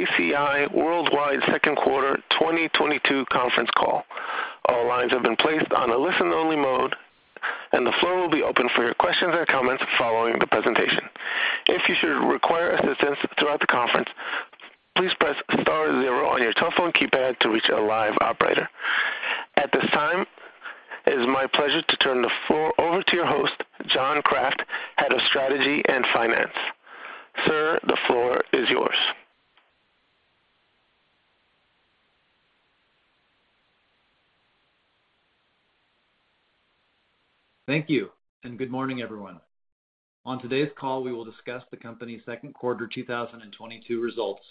Good day, ladies and gentlemen, and welcome to the ACI Worldwide second quarter 2022 conference call. All lines have been placed on a listen-only mode, and the floor will be open for your questions or comments following the presentation. If you should require assistance throughout the conference, please press star zero on your telephone keypad to reach a live operator. At this time, it is my pleasure to turn the floor over to your host, John Kraft, Head of Strategy and Finance. Sir, the floor is yours. Thank you, and good morning, everyone. On today's call, we will discuss the company's second quarter 2022 results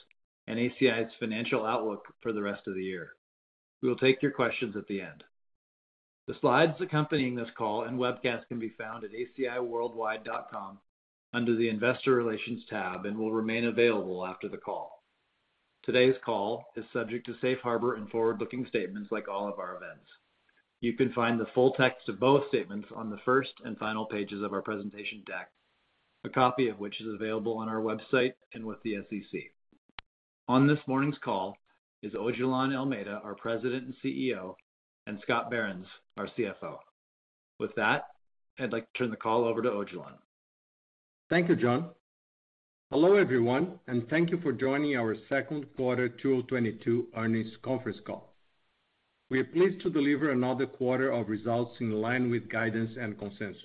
and ACI's financial outlook for the rest of the year. We will take your questions at the end. The slides accompanying this call and webcast can be found at aciworldwide.com under the Investor Relations tab and will remain available after the call. Today's call is subject to safe harbor and forward-looking statements like all of our events. You can find the full text of both statements on the first and final pages of our presentation deck, a copy of which is available on our website and with the SEC. On this morning's call is Odilon Almeida, our President and CEO, and Scott Behrens, our CFO. With that, I'd like to turn the call over to Odilon. Thank you, John. Hello, everyone, and thank you for joining our second quarter 2022 earnings conference call. We are pleased to deliver another quarter of results in line with guidance and consensus.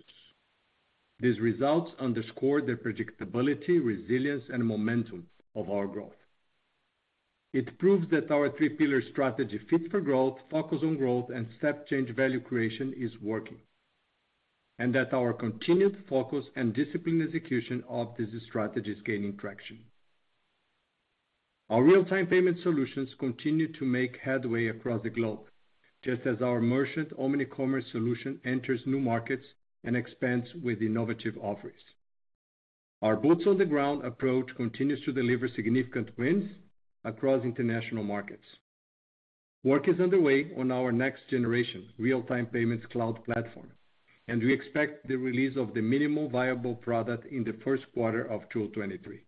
These results underscore the predictability, resilience, and momentum of our growth. It proves that our three pillar strategy fit for growth, focus on growth, and step change value creation is working, and that our continued focus and disciplined execution of this strategy is gaining traction. Our real-time payment solutions continue to make headway across the globe, just as our merchant omni-commerce solution enters new markets and expands with innovative offerings. Our boots on the ground approach continues to deliver significant wins across international markets. Work is underway on our next generation real-time payments cloud platform, and we expect the release of the minimum viable product in the first quarter of 2023.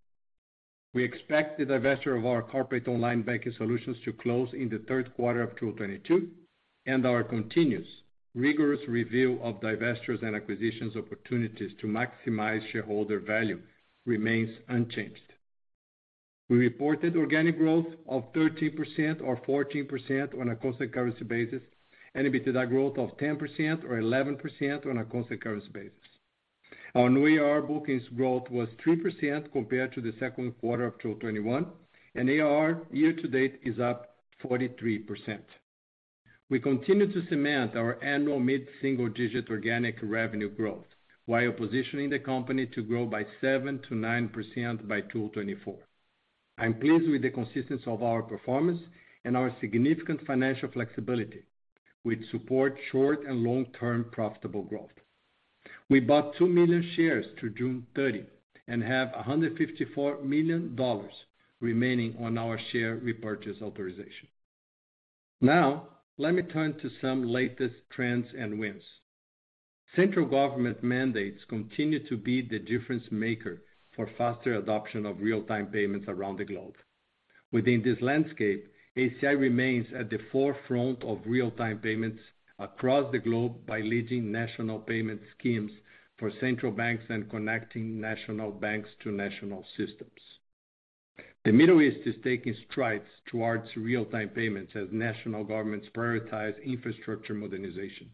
We expect the divestiture of our corporate online banking solutions to close in the third quarter of 2022, and our continuous rigorous review of divestitures and acquisitions opportunities to maximize shareholder value remains unchanged. We reported organic growth of 13% or 14% on a constant currency basis, and EBITDA growth of 10% or 11% on a constant currency basis. Our new ARR bookings growth was 3% compared to the second quarter of 2021, and ARR year-to-date is up 43%. We continue to cement our annual mid-single-digit organic revenue growth while positioning the company to grow by 7%-9% by 2024. I'm pleased with the consistency of our performance and our significant financial flexibility which support short and long-term profitable growth. We bought 2 million shares through June 30 and have $154 million remaining on our share repurchase authorization. Now let me turn to some latest trends and wins. Central government mandates continue to be the difference maker for faster adoption of real-time payments around the globe. Within this landscape, ACI remains at the forefront of real-time payments across the globe by leading national payment schemes for central banks and connecting national banks to national systems. The Middle East is taking strides towards real-time payments as national governments prioritize infrastructure modernization.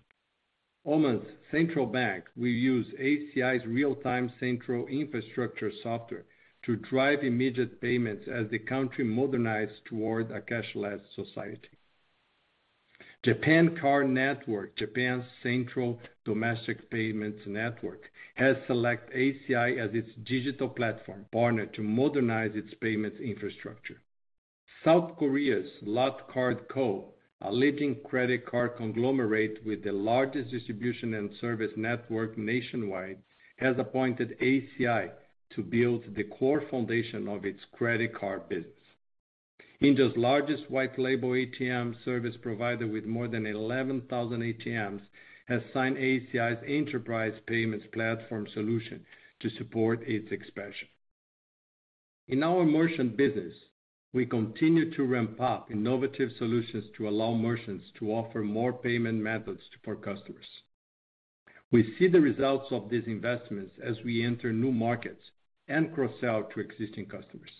Oman's central bank will use ACI's real-time central infrastructure software to drive immediate payments as the country modernizes toward a cashless society. Japan Card Network, Japan's central domestic payments network, has selected ACI as its digital platform partner to modernize its payments infrastructure. South Korea's Lotte Card Co., a leading credit card conglomerate with the largest distribution and service network nationwide, has appointed ACI to build the core foundation of its credit card business. India's largest white-label ATM service provider with more than 11,000 ATMs has signed ACI's Enterprise Payments Platform to support its expansion. In our merchant business, we continue to ramp up innovative solutions to allow merchants to offer more payment methods for customers. We see the results of these investments as we enter new markets and cross-sell to existing customers.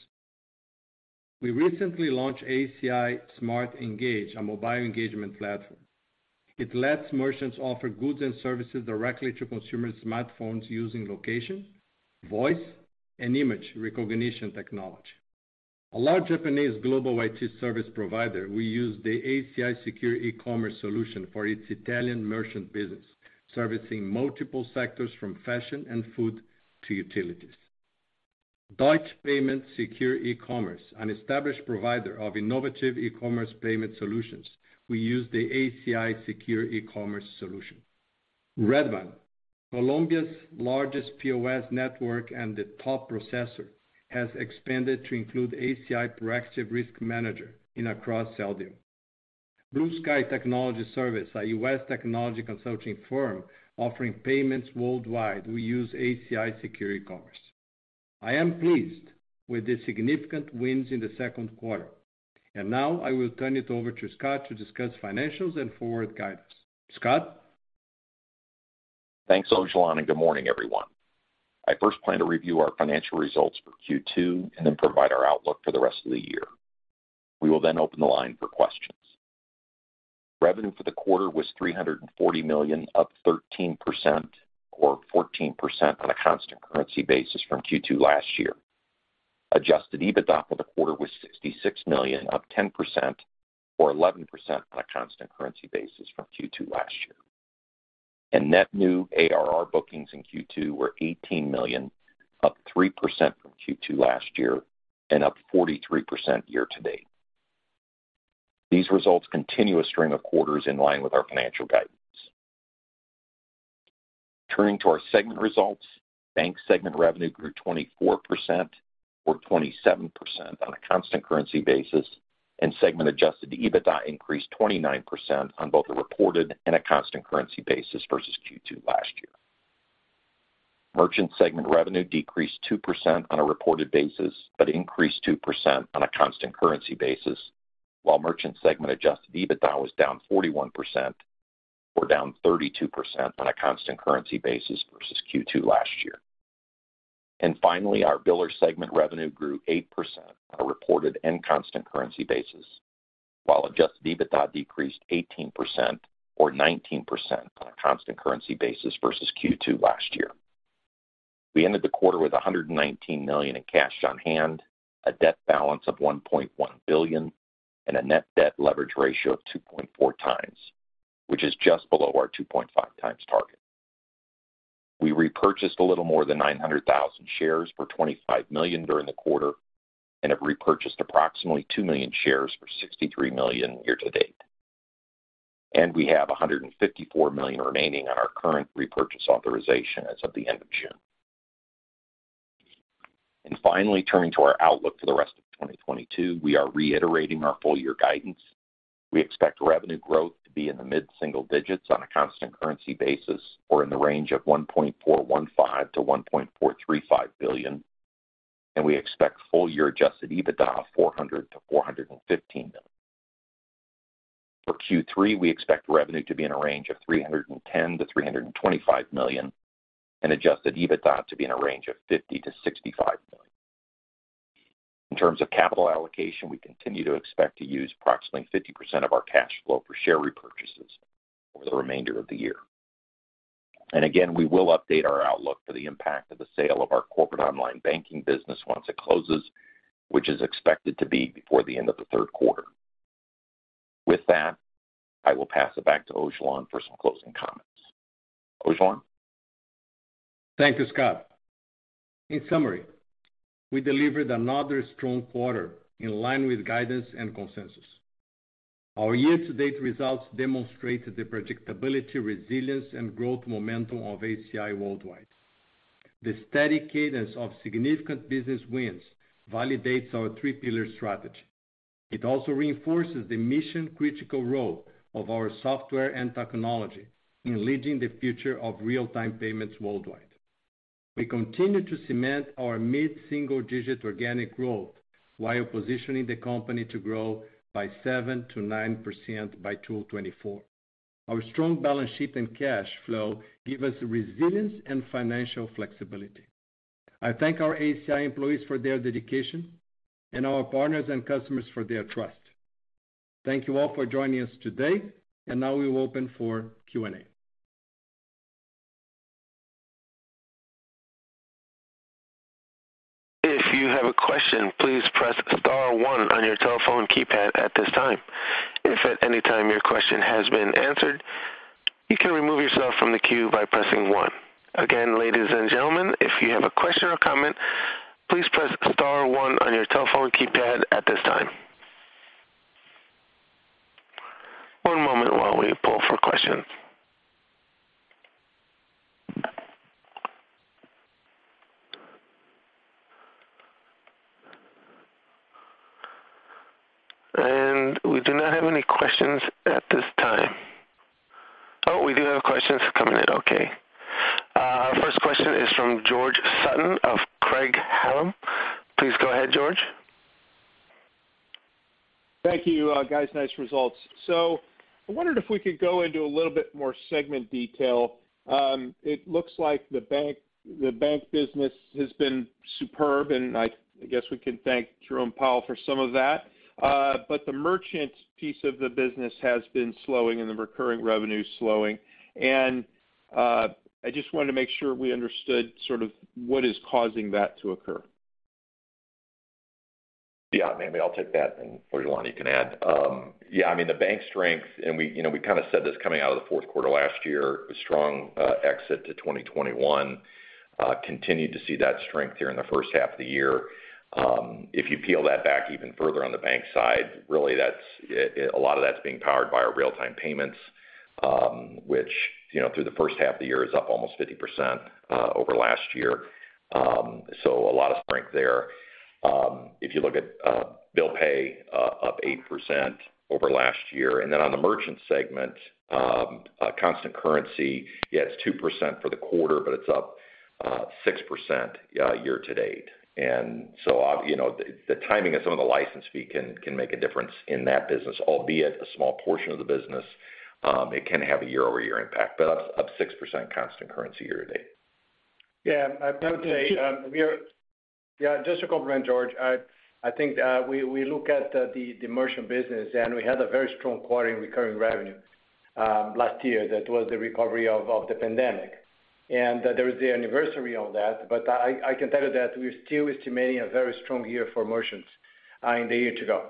We recently launched ACI Smart Engage, a mobile engagement platform. It lets merchants offer goods and services directly to consumers' smartphones using location, voice, and image recognition technology. A large Japanese global IT service provider will use the ACI Secure eCommerce solution for its Italian merchant business, servicing multiple sectors from fashion and food to utilities. Deutsche Payment Secure eCommerce, an established provider of innovative e-commerce payment solutions, will use the ACI Secure eCommerce solution. Redeban, Colombia's largest POS network and the top processor, has expanded to include ACI Proactive Risk Manager across Sellium. Blue Sky Technology Service, a U.S. technology consulting firm offering payments worldwide, will use ACI Secure eCommerce. I am pleased with the significant wins in the second quarter. Now I will turn it over to Scott to discuss financials and forward guidance. Scott? Thanks, Odilon, and good morning, everyone. I first plan to review our financial results for Q2 and then provide our outlook for the rest of the year. We will then open the line for questions. Revenue for the quarter was $340 million, up 13% or 14% on a constant currency basis from Q2 last year. Adjusted EBITDA for the quarter was $66 million, up 10% or 11% on a constant currency basis from Q2 last year. Net new ARR bookings in Q2 were $18 million, up 3% from Q2 last year and up 43% year-to-date. These results continue a string of quarters in line with our financial guidance. Turning to our segment results, bank segment revenue grew 24% or 27% on a constant currency basis, and segment Adjusted EBITDA increased 29% on both a reported and a constant currency basis versus Q2 last year. Merchant segment revenue decreased 2% on a reported basis, but increased 2% on a constant currency basis, while merchant segment Adjusted EBITDA was down 41% or down 32% on a constant currency basis versus Q2 last year. Finally, our biller segment revenue grew 8% on a reported and constant currency basis, while Adjusted EBITDA decreased 18% or 19% on a constant currency basis versus Q2 last year. We ended the quarter with $119 million in cash on hand, a debt balance of $1.1 billion and a net debt leverage ratio of 2.4x, which is just below our 2.5x target. We repurchased a little more than 900,000 shares for $25 million during the quarter and have repurchased approximately 2 million shares for $63 million year-to-date. We have $154 million remaining on our current repurchase authorization as of the end of June. Finally turning to our outlook for the rest of 2022, we are reiterating our full year guidance. We expect revenue growth to be in the mid-single digits on a constant currency basis or in the range of $1.415-$1.435 billion. We expect full-year Adjusted EBITDA of $400 million-$415 million. For Q3, we expect revenue to be in a range of $310 million-$325 million and Adjusted EBITDA to be in a range of $50 million-$65 million. In terms of capital allocation, we continue to expect to use approximately 50% of our cash flow for share repurchases over the remainder of the year. Again, we will update our outlook for the impact of the sale of our corporate online banking business once it closes, which is expected to be before the end of the third quarter. With that, I will pass it back to Odilon for some closing comments. Odilon? Thank you, Scott. In summary, we delivered another strong quarter in line with guidance and consensus. Our year-to-date results demonstrated the predictability, resilience, and growth momentum of ACI Worldwide. The steady cadence of significant business wins validates our three-pillar strategy. It also reinforces the mission-critical role of our software and technology in leading the future of real-time payments worldwide. We continue to cement our mid-single digit organic growth while positioning the company to grow by 7%-9% by 2024. Our strong balance sheet and cash flow give us resilience and financial flexibility. I thank our ACI employees for their dedication and our partners and customers for their trust. Thank you all for joining us today, and now we will open for Q&A. If you have a question, please press star one on your telephone keypad at this time. If at any time your question has been answered, you can remove yourself from the queue by pressing one. Again, ladies and gentlemen, if you have a question or comment, please press star one on your telephone keypad at this time. One moment while we pull for questions. We do not have any questions at this time. Oh, we do have questions coming in. Okay. First question is from George Sutton of Craig-Hallum. Please go ahead, George. Thank you, guys. Nice results. I wondered if we could go into a little bit more segment detail. It looks like the bank business has been superb, and I guess we can thank Jerome Powell for some of that. The merchant piece of the business has been slowing and the recurring revenue is slowing. I just wanted to make sure we understood sort of what is causing that to occur. Yeah, maybe I'll take that and Odilon you can add. Yeah, I mean, the bank strength and we, you know, we kind of said this coming out of the fourth quarter last year, a strong exit to 2021. Continued to see that strength here in the first half of the year. If you peel that back even further on the bank side, really that's a lot of that's being powered by our real-time payments, which, you know, through the first half of the year is up almost 50% over last year. So a lot of strength there. If you look at bill pay, up 8% over last year. On the merchant segment, constant currency, yeah, it's 2% for the quarter, but it's up 6% year-to-date. You know, the timing of some of the license fee can make a difference in that business, albeit a small portion of the business. It can have a year-over-year impact. Up 6% constant currency year-to-date. I would say, just to complement George, I think we look at the merchant business, and we had a very strong quarter in recurring revenue last year that was the recovery of the pandemic. There is the anniversary of that. I can tell you that we're still estimating a very strong year for merchants in the year to go.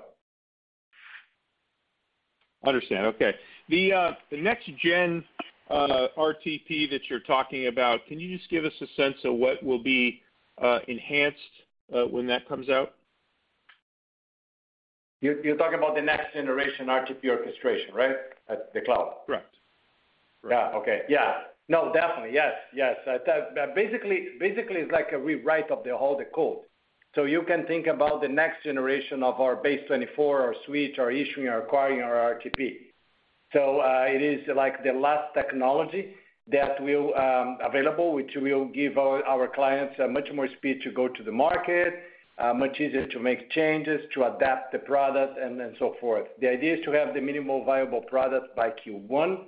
Understand. Okay. The next-gen RTP that you're talking about, can you just give us a sense of what will be enhanced when that comes out? You're talking about the next generation RTP orchestration, right? In the cloud. Correct. Yeah. Okay. Yeah. No, definitely. Yes. Yes. Basically, it's like a rewrite of all the code. You can think about the next generation of our BASE24, our suite, our issuing, our acquiring, our RTP. It is like the latest technology that will be available, which will give our clients a much more speed to go to the market, much easier to make changes, to adapt the product and then so forth. The idea is to have the minimum viable product by Q1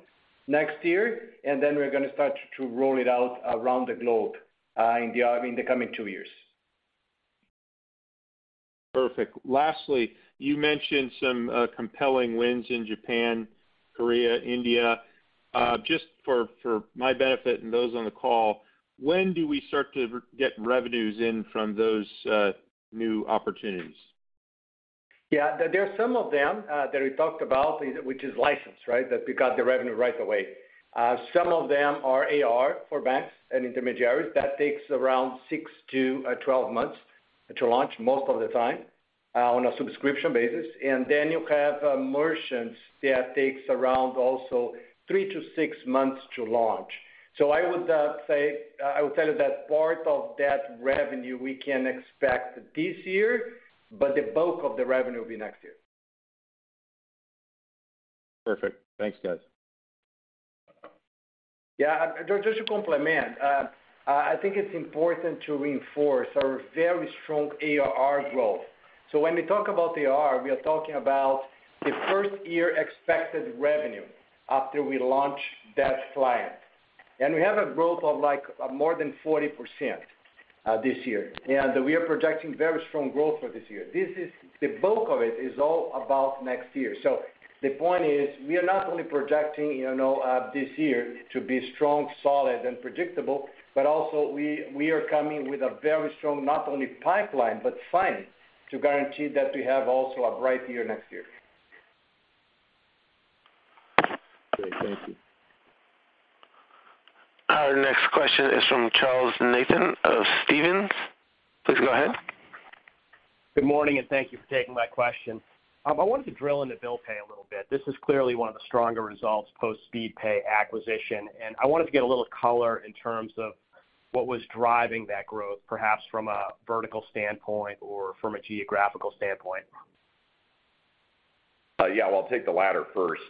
next year, and then we're gonna start to roll it out around the globe, in the coming two years. Perfect. Lastly, you mentioned some compelling wins in Japan, Korea, India. Just for my benefit and those on the call, when do we start to get revenues in from those new opportunities? Yeah. There are some of them that we talked about, which is license, right? That we got the revenue right away. Some of them are ARR for banks and intermediaries that takes around 6-12 months to launch most of the time on a subscription basis. Then you have merchants that takes around also 3-6 months to launch. I would say I would tell you that part of that revenue we can expect this year, but the bulk of the revenue will be next year. Perfect. Thanks, guys. Yeah. George, just to complement, I think it's important to reinforce our very strong ARR growth. When we talk about ARR, we are talking about the first year expected revenue after we launch that client. We have a growth of, like, more than 40% this year. We are projecting very strong growth for this year. The bulk of it is all about next year. The point is, we are not only projecting, you know, this year to be strong, solid, and predictable, but also we are coming with a very strong not only pipeline, but signing to guarantee that we have also a bright year next year. Okay, thank you. Our next question is from Charles Nabhan of Stephens. Please go ahead. Good morning, and thank you for taking my question. I wanted to drill into bill pay a little bit. This is clearly one of the stronger results post Speedpay acquisition, and I wanted to get a little color in terms of what was driving that growth, perhaps from a vertical standpoint or from a geographical standpoint. Yeah. Well, I'll take the latter first.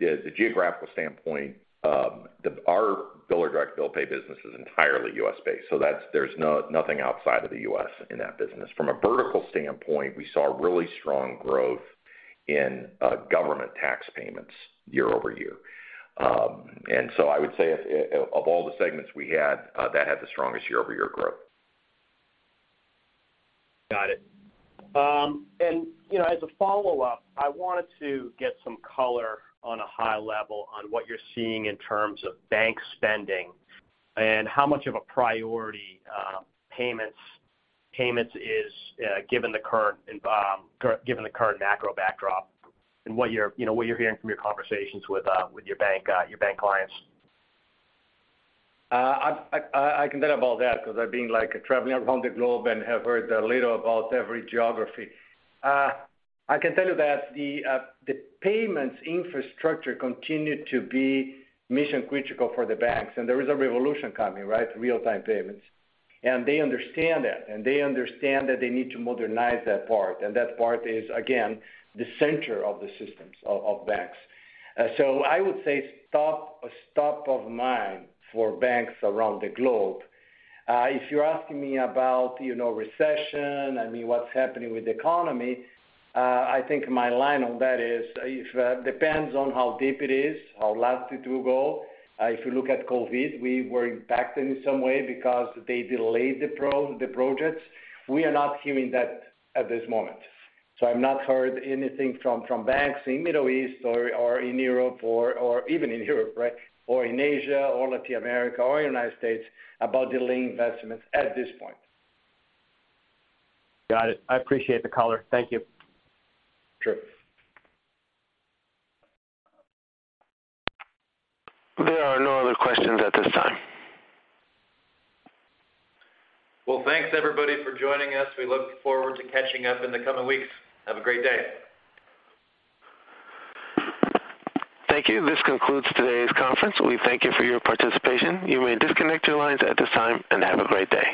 Yes, the geographical standpoint, our bill or direct bill pay business is entirely U.S.-based, so there's nothing outside of the U.S. in that business. From a vertical standpoint, we saw really strong growth in government tax payments year-over-year. I would say of all the segments we had, that had the strongest year-over-year growth. Got it. You know, as a follow-up, I wanted to get some color on a high level on what you're seeing in terms of bank spending and how much of a priority payments is, given the current macro backdrop and what you're, you know, hearing from your conversations with your bank clients. I can tell you about that because I've been, like, traveling around the globe and have heard a little about every geography. I can tell you that the payments infrastructure continued to be mission-critical for the banks, and there is a revolution coming, right? Real-time payments. They understand that, and they understand that they need to modernize that part. That part is, again, the center of the systems of banks. So I would say top of mind for banks around the globe. If you're asking me about, you know, recession, I mean, what's happening with the economy, I think my line on that is if depends on how deep it is, how long did you go. If you look at COVID, we were impacted in some way because they delayed the projects. We are not hearing that at this moment. I've not heard anything from banks in Middle East or in Europe or even in Europe, right? Or in Asia or Latin America or United States about delaying investments at this point. Got it. I appreciate the color. Thank you. Sure. There are no other questions at this time. Well, thanks everybody for joining us. We look forward to catching up in the coming weeks. Have a great day. Thank you. This concludes today's conference. We thank you for your participation. You may disconnect your lines at this time and have a great day.